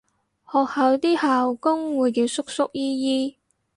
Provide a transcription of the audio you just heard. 學校啲校工會叫叔叔姨姨